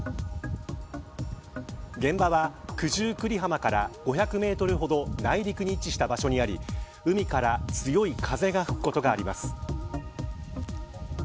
現場は九十九里浜から５００メートルほど内陸に位置した場所にあり海から強い風が吹くことがあります。